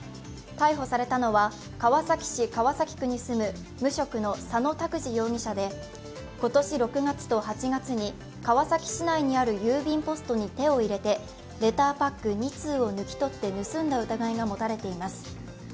逮捕されたのは川崎市川崎区に住む無職の佐野拓司容疑者で、今年６月と８月に川崎市内にある郵便ポストに手を入れてレターパック２通を抜き取って盗んだ疑いが持たれています。